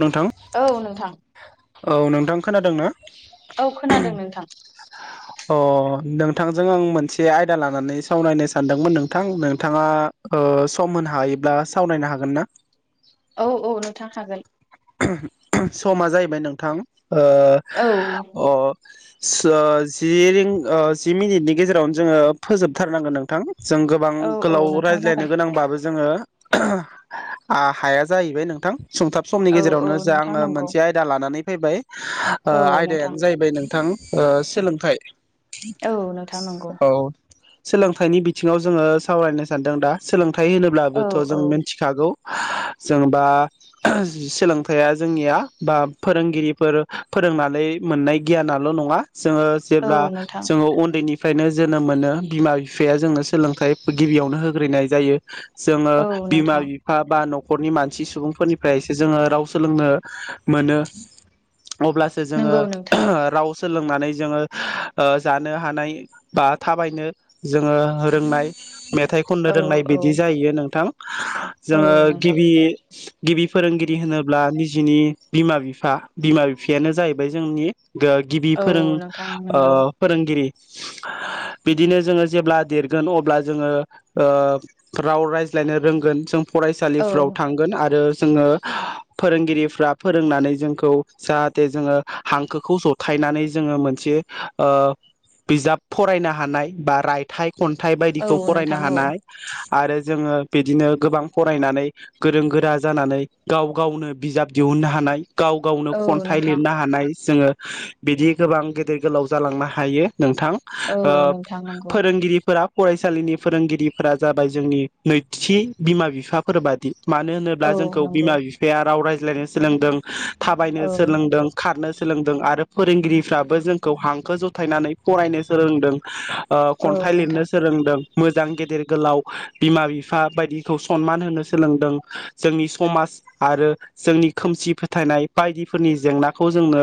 नोंथां औ नोंथां औ नोंथां खोनादों ना औ खोनादों नोंथां अ नों नोंथांजों आं मोनसे आयदा लानानै सावरायनो सानदोंमोन नोंथां नोंथाङा ओ सम होनो हायो ब्ला सावरायनो हागोन ना। औ औ नोंथां हागोन समा जाहैबाय नोंथां औ ओ अ जि रिंग ओ जि मिनिटनि गेजेरावनो जोङो फोजोबथारनांगोन नोंथां जों गोबां औ औ गोलाव नोंथां जागोन रायज्लायनो गोनांबाबो जोङो आं हाया जाहैबाय नोंथां सुंथाब समनि औ औ गेजेरावनो जा नोंथां आङो नंगौ मोनसे आयदा लानानै फैबाय ओ औ नोंथां आयदायानो जाहैबाय नोंथां ओ सोलोंथाइ औ नोंथां नंगौ औ सोलोंथाइनि बिथिङाव जोङो सावरायनो सानदों दा सोलोंथाइ औ होनोब्लाबोथ औ जों मिथिखागौ जोंबा सोलोंथाइया जोंनिया बा फोरोंगिरिफोर फोरोंनानै मोननाय गियानाल नङा जोङो औ जेब्ला नोंथां जोङो उन्दैनि फ्रायनो जोनोम मोनो बिमा बिफाया जोंनो सोलोंथाइ गिबियावनो होग्रोनाय जायो जोङो औ बिमा नोंथां बिफा बा नखरनि मानसि सुबुंफोरनिफ्राय जोङो राव सोलोंनो मोनो अब्लासो जोङो नंगौ नोंथां राव सोलोंनानै जोङो ओ जानो हानाय बा थाबायनो जोङो रोंनाय मेथाइ खननो औ रोंनाय औ बिदि जायो नोंथां औ जोङो नोंथां गिबि गिबि फोरोंगिरि होनोब्ला निजिनि बिमा बिफा बिमा बिफायानो जाहैबाय जोंनि गो गिबि औ फोरों नोंथां ओ नंगौ फोरोंगिरि बिदिनो जोङो जेब्ला देरगोन अब्ला जोङो ओ राव रायज्लायनो रोंगोन जों औ फरायसालिफ्राव थांगोन आरो जोङो फोरोंगिरिफ्रा फोरोंनानै जोंखौ जाहाथे जोङो हांखोखौ जथायनानै जोङो मोनसे ओ बिजाब फरायनो हानाय बा रायथाय खन्थाइ औ बायदिखौ फरायनो नोंथां औ हानाय आरो जोङो बिदिनो गोबां फरायनानै गोरों गोरा जानानै गाव गावनो बिजाब दिहुननो हानाय गाव गावनो औ खन्थाइ नोंथां लिरनो हानाय जोङो बिदि गोबां गेदेर गोलाव जालांनो हायो। नोंथां औ ओ नोंथां नंगौ फोरोंगिरिफोरा फरायसालिनि फोरोंगिरिफोरा जाबाय जोंनि नैथि बिमा बिफाफोर बादि मानो औ होनोब्ला जोंखौ नंगौ बिमा बिफाया राव रायज्लायनो सोलोंदों थाबायनो औ सोलोंदों खारनो सोलोंदों आरो फोरोंगिरिफ्राबो जोंखौ हांखो जथायनानै फरायनो सोलोंदों ओ औ खन्थाइ नोंथां लिरनो सोलोंदों मोजां गेदेर गोलाव बिमा बिफा बायदिखौ सनमान होनो सोलोंदों जोंनि समाज आरो जोंनि खोमसि फोथायनाय बायदिफोरनि जेंनाखौ जोंनो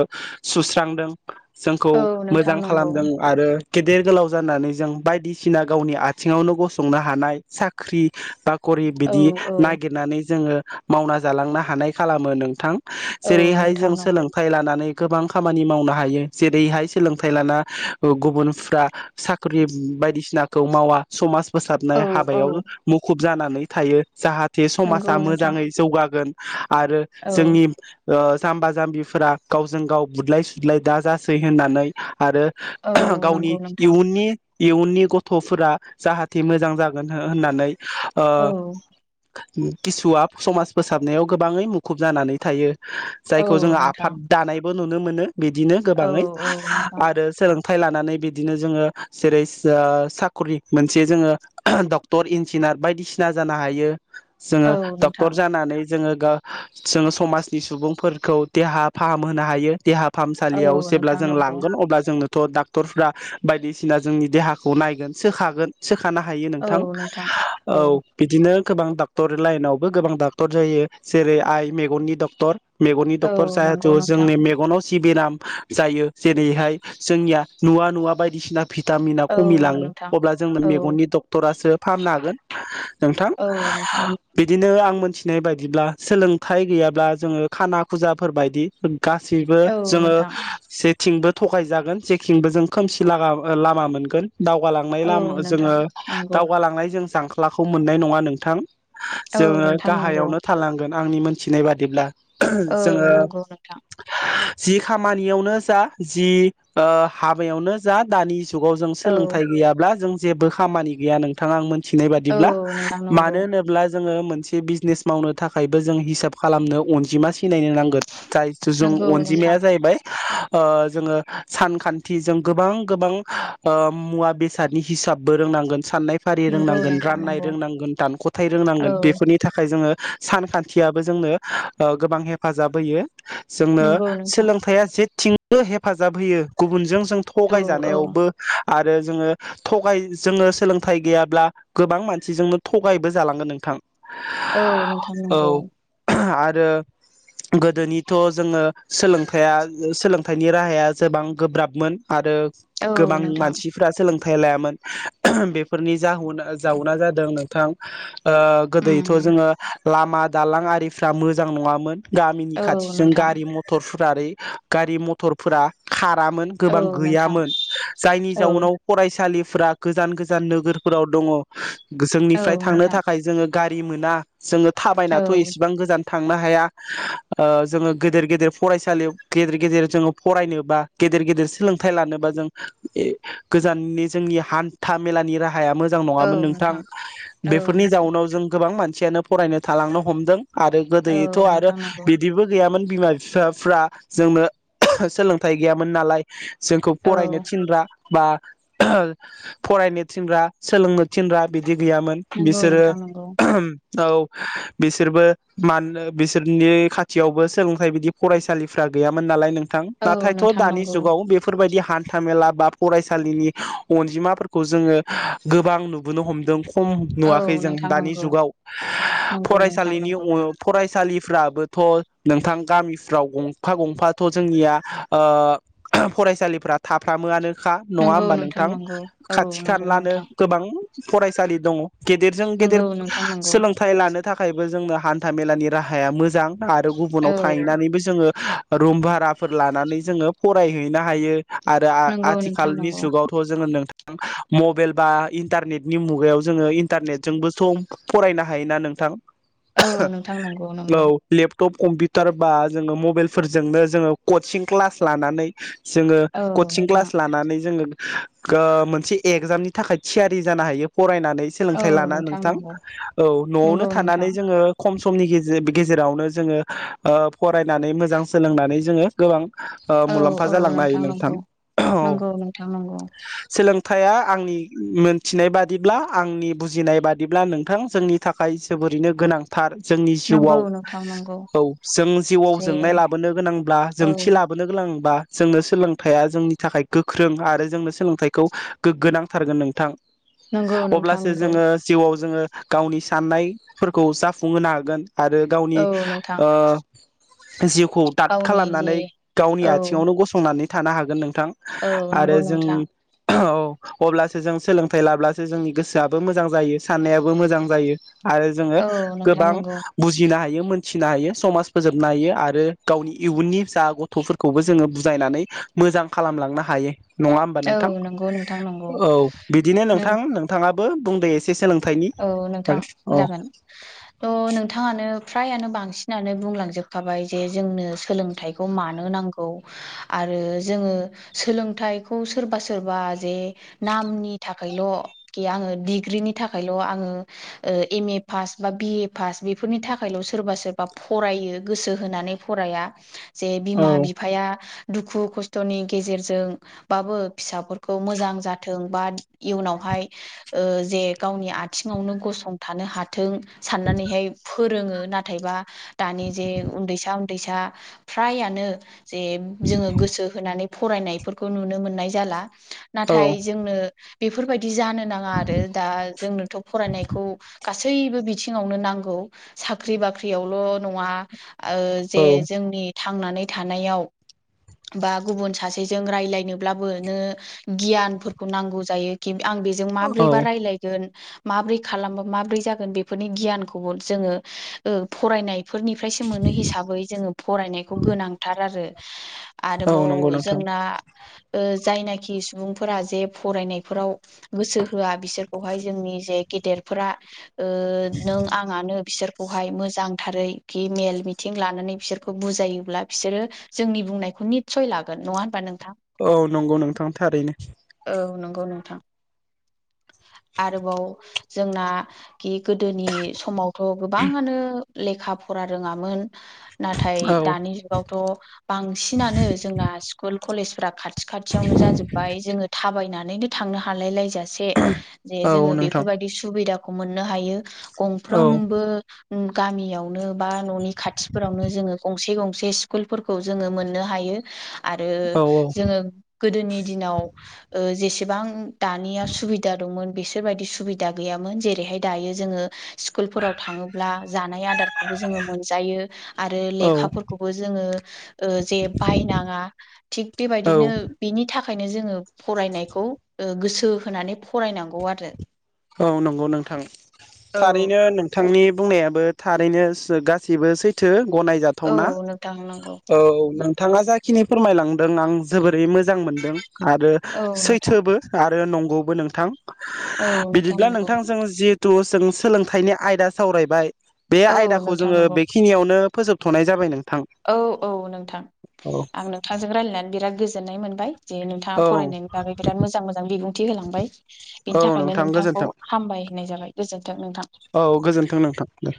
सुस्रांदों जोंखौ औ नोंथां मोजां नंगौ खालामदों आरो गेदेर गोलाव जानानै जों बायदिसिना गावनि आथिङावनो गसंनो हानाय साख्रि बा करि औ बिदि औ नागिरनानै जोङो मावना जालांनो हानाय खालामो नोंथां। औ जेरैहाय नोंथां जों नंगौ सोलोंथाइ लानानै गोबां खामानि मावनो हायो जेरैहाय सोलोंथाइ लाना गुबुनफ्रा साख्रि बायदिसिनाखौ मावा समाज औ फोसाबनाय औ हाबायाव मुखुब जानानै थायो जाहाथे समाजा नंगौ नोंथां मोजाङै जौगागोन आरो औ जोंनि ओ जाम्बा जाम्बिफोरा गावजों गाव बुदलाय सुदलाय दा जासै होननानै आरो औ गावनि नंगौ नोंथां इयुननि इयुननि गथ'फोरा जाहाथे मोजां जागोन होननानै ओ औ। किसुआ समाज फोसाबनायाव गोबाङै मुखुब जानानै थायो औ जायखौ जोङो नोंथां आफाद दानायबो नुनो मोनो बिदिनो औ गोबाङै औ नोंथां आरो सोलों थाइ लानानै बिदिनो जोङो जेरै ओ साख्रि मोनसे जोङो डक्टर इन्जिनि बायदिसिना जानो हायो जोंङो औ नोंथां डक्टर जानानै जोङो जोङो समाजनि सुबुंफोरखौ देहा फाहामहोनो हायो देहा औ फाहामसालियाव जेब्ला नोंथां जों नंगौ लांगोन अब्ला जोंनो डाक्टरफ्रा बायदिसिना जोंनि देहाखौ नायगोन सोखागोन सोखा थानो हायो नोंथां औ बिदिनो गोबां डक्ट डक्टर लाइनावबो गोबां डाक्टर जायो जेरै आइ मेगननि डक्टर मेगननि औ डक्टर नंगौ जाहेथु नोंथां जोंनि मेगनाव सिबि नाम जायो जेरैहाय जोंनिया नुवा नुवा बायदिसिना भिटामिना औ खमि लाङो नोंथां अब्ला जों औ मेगननि डक्टरासो फाहामनो हागोन नोंथां औ नोंथां बिदिनो मोनथिनाय बायदिब्ला सोलोंथाइ गैयाब्ला जोङो खाना खुजाफोर बायदि गासैबो औ जोङो नोंथां जेरै थिंबो थगायजागोन जेथिंबो जों खोमसि लागा लामा मोनगोन दावगालांनाय औ लामा नोंथां जोङो नंगौ दावगालांनाय जों जांख्लाखौ मोननाय नंङा नोंथां औ जोङो नोंथां नंगौ गाहायावनो थालांगोन आंनि मोनथिनाय बादिब्ला औ जोंङो नंगौ नोंथां जि खामानियावनो जा जि ओ हाबायावनो जा दानि जुगाव जों औ सोलोंथाइ गैयाब्ला जों जेबो खामानि गैया नोंथां आं मिथिनाय औ बादिब्ला नोंथां नंगौ मानो होनोब्ला जोंङो मोनसे बिजिनेस मावनो थाखायबो जों हिसाब खालामनो अनजिमा सिनायनो नांगोन जाय जों नंगौ अनजिमाया नोंथां जाहैबाय ओ जोङो सानखान्थिजों गोबां गोबां ओ मुवा बेसादनि हिसाबबो रोंनांगोन साननाय फारि नंगौ रोंनांगोन नोंथां राननाय नंगौ रोंनांगोन दानख'थाइ औ रोंनांगोन बेफोरनि थाखाय जोङो सानखान्थियाबो जोंनो गोबां हेफाजाब होयो जोंनो नंगौ नोंथां सोलोंथाइया जेथिंबो हेफाजाब होयो गुबुनजों जों औ थगाय औ जानायावबो आरो जोङो थगाय जोङो सोलोंथाइ गैयाब्ला गोबां मानसिजोंनो थगायबो जालांगोन नोंथां औ नोंथां औ नंगौ आरो गोदोनिथ' जोङो सोलोंथाइया सोलोंथाइनि राहाया गोबां गोब्राबमोन आरो औ गोबां नोंथां मानसिफ्रा सोलों थाइ लायामोन बेफोरनि जाह जाहोना जादों नोंथां ओ गोदोथ' उम जोङो लामा दालां आरिफ्रा मोजां नङामोन। गामिनि औ खाथिजों नोंथां गारि मथरफोर गारि मथरफोरा खार रामोन औ गोबां नोंथां गैयामोन जायनि औ जाहोनाव फरायसालि फ्रा गोजान गोजान नोगोरफोराव दङ औ जोंनिफ्राय थांनो नोंथां थाखाय जोङो गारि मोना। जोङो औ थाबायनाथ' एसेबां गोजान थांनो हाया जोङो ओ गेदेर गेदेर फरायसालियाव गेदेर गेदेर जोङो फरायनोबा गेदेर गेदेर सोलोंथाइ लानोबा जों गोजाननि जोंनि हान्था मेलानि राहा हाया मोजां नङामोन नोंथां औ बेफोरनि नोंथां जाउनाव जों गोबां मानसियानो फरायनो थालांनो हमदों। आरो औ गोदोथ' आरो नोंथां नंगौ बिदिबो गैयामोन बिमा बिफाफ्रा जोंनो सोलोंथाइ गैयामोन नालाय। जोंखौ औ फरायनो थिनग्रा बा फरायनो थिनग्रा सोलोंनो थिनग्रा बिदि गैयामोन नंगौ बिसोरो नोंथां नंगौ औ बिसोरबो मानो बिसोरनि खाथियावबो सोलोंथाइ बिदि फरायसालिफ्रा गैयामोन नालाय नोंथां औ नाथायथ' नोंथां दानि नंगौ जुगाव बेफोरबायदि हान्था मेला बा फरायसालिनि अनजिमाफोरखौ जोङो गोबां नुबोनो हमदों खम औ नुवाखै जों नोंथां दानि नंगौ जुगाव नंगौ नोंथां फरायसालिनि नंगौ फरायसालिफ्राबो थ' नोंथां गामिफ्राव गंफा गंफाथ' जोंनिया ओ फरायसालिफ्रा थाफ्रामोआनो खा नङा नंगौ होमबा नोंथां नंगौ औ खाथि नंगौ खाानलानो नोंथां गोबां फरायसालि दङ गेदेरजों गेदेर नंगौ नोंथां नंगौ सोलोंथाइ लानो थाखाय जोंनो हान्था मेलानि राहाया मोजां आरो औ गुबुनाव थाहैनानैबो जोङो रुम भाराफोर लानानै जोङो फरायहैनो हायो आरो नंगौ नोंथां आथिखालनि नंगौ जुगावथ' जोङो नोंथां मबाइल बा इन्टारनेटनि मुगायाव जोङो इन्टारनेटजोंबो सम फरायनो हायोना नोंथां औ नोंथां नंगौ नंगौ औ लेप टप कम्पिउटार बा जोङो मबाइलफोरजोंनो जोङो कचिं क्लास लानानै जोङो औ कचिं नोंथां क्लास लानानै जोङो ओ मोनसे एगजामनि थाखाय थियारि जानो हायो फरायनानै औ सोलोंथाइ लाना नोंथां नंगौ औ न'आवनो नंगौ थानानै नोंथां जोङो खम समनि गेजे गेजेरावनो जोङो फरायनानै मोजां सोलोंनानै जोङो गोबां ओ औ मुलाम्फा औ जालांनो हायो नोंथां नंगौ नंगौ नोंथां नंगौ औ थाया आंनि मोनथिनाय बादिब्ला आंनि बुजिनाय बादिब्ला नोंथां जोंनि थाखाय जोबोरैनो गोनांथार जोंनि नंगौ जिउआव नोंथां नंगौ औ जों जिउआव जे जोंनाय लाबोनो गोनांब्ला औ जोंथि लाबोनो गोनांब्ला जोंनो सोलोंथाइया जोंनि थाखाय गोख्रों आरो जोंनो सोलोंथाइखौ गोग्गोनांथारगोन नोंथां। नंगौ नोंथां। अब्लासो नंगौ जोङो जिउआव जोङो गावनि साननायफोरखौ जाफुंहोनो हागोन। आरो गावनि औ नोंथां ओ जिउखौ दाद गावनि जे खालामनानै गावनि औ आथिङाव नो गसंनानै थानो हागोन नों थां औ आरो नंगौ नोंथां औ अब्लासो जों सोलोंथाइ लाब्लासो जोंनि गोसोआबो मोजां जाय़ो साननायाबो मोजां जायो आरो जों औ नोंथां गोबां नंगौ बुजिनो हायो मोनसिनो हायो समाज फोजोबनो हायो आरो गावनि इयुननि फिसा गथ'फोरखौबो जों बुजायनानै मोजां खालामलांनो हायो नङा होमबा औ नोंथां नंगौ नोंथां नंगौ औ बिदिनो नों नोंथां नोंथांङाबो बुंदो एसे सोलों औ नोंथां जागोन औ नोंथांङानो फ्रायानो बांसिनानो बुंलांजोबखाबाय जे जोंनो सोलोंथाइखौ मानो नांगौ आ रो जों सोलोंथाइखौ सोरबा सोरबा जे नामनि थाखायल' कि ओं डिग्रीनि था खायल' आं औ एम ए फास बा बि ए फास बेफोरनि थाखायल' सोरबा सोरबा फरायो गोसो होनानै फराया जे बिमा बिफाया दुखु खस्थ'नि गेजेरजों बाबो फिसाफोरखौ मोजां जाथों बा इयुनावहा हाय ओ जे गावनि आथिङआवनो गसंथानो हाथों साननानैहाय फोरोंङो नाथायबा दानिआ जे उन्दैसा उन्दैसा फ्रायानो जे जोङो गोसो होनानै फरायनायफोरखौ नुनो मोननाय जाला औ नाथाय जोंनो बेफोरबायदि जानो नाङा आरो दा थ' फरायनायखौ गासैबो बिथिङावनो नांगौ साख्रि बाख्रियावल' नङा ओ औ जे जोंनि थांनानै थानायाव बा गुबुन सासेजों रायलायनोब्लाबो नो गियानफोरखौ नांगौ जायो किम आं बेजों औ माबोरैबा रायज्लाय गोन माबोरै खालाम मै माबोरै जागोन बेफोरनि गियानफोरखौ जोङ ओ फरायनाय फोरनिफ्रायसो मोनो हिसाबै जोङो फरायनायखौ गोनांथार आरो औ नंगौ आरोबाव जों नोंथां ना ओ जायनाखि सुबुंफोरा जे फरायनायफोराव गोसो होआ बिसोर खौहाय जोंनि जेग गेदेरफोरा ओ नों आंआनो बिसोरखौहाय मोजांथारै खि मेल मिथिं नें लानाने बिसोरखौ बुायोब्ला बिसोरो जोंनि बुंनायखौ निच्चय लागोन नङाबों नों औ नंगौ नोंथां थारैनो गौ नोंथां [inaudible] आरोबाव जोंना खि गोदोनि समावथ' गोबाङानो लेखा फरा रोङामोन नाथाय औ दानि जुगावथ' बांसिनानो जोंना स्कूल कॉलेज फोरा खाथ थि खाथियावनो जाजोब्बाय जों थाबायनानैनो थांनो हालाय लायजासे जे औ जों नोंथां बेफोरबादि सुबिदाखौ मोननो हायो औ गंफ्रोमबो उम गामियावनो बा न'नि खाथिफोरावनो जों गंसे गं सेच स्कूल फोरखो जों मोन्नो हायो आरो औ जों गोदोनि दिनाव औ जेसेबां दानिया सुबिद दामोन बेसोरबादि सुबिदा गैय़ामोन जेरैहाय दायो जोंङो स्कूलफोराव थाङोब्ला जानाय आदारखौबो जोंङो मोनजायो आरो औ लेखाफोरखौबो जोंङो ओ जे बायनाङा थिग बेबायदिनो बिनि था खायनो जों फरायनायखौ गोसो होनानै फरायनांगौ आरो औ नंगौ नोंथां औ थारैनो नोंथांनि बुंनायाबो थारैनो गासैबो सैथो औ गनाय़जाथाना नोंथां नंगौ औ नों थाङा जाखिनि फोरमायलांदों आं जोबोरै मोज मोजां मोनदों आरो औ नोंथां सैथोबो आरो नंगौबो नोंथां औ नोंथां बिदिब्ला नंगौ नोंथांजों जि तु जों सोलोंथाइनि आयदा सावरायबाय बे औ आयदाखौ नोंथां जोंङ नंगौ बेखिनियावनो फोजोबथ'नाय जाबाय नों औ औ नोंथां आं नोंथांजों रायजलायनानै बिराद गोजोननाय मोनबाय जे औ नोंथाङा फरायनायनि बागै बिराद मोजां- मोजां बिबुंथि होलांबाय औ बेनि थाखायनो नोंथां नोंथांखौ गोजोन्थों हामबाय होननाय जाबाय गोजोन्थों नोंथां औ गोजोन्थों नोंथां दे